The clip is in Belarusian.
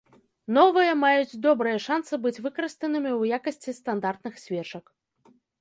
Новыя маюць добрыя шанцы быць выкарыстанымі ў якасці стандартных свечак.